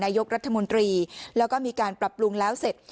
ยกรัฐมนตรีแล้วก็มีการปรับปรุงแล้วเสร็จ